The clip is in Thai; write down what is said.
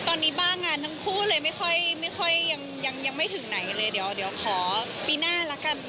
ตอนนี้บ้างงานทั้งคู่เลยไม่ค่อยไม่ค่อยถึงไหนเลยเดี๋ยวขอปีหน้าละกัน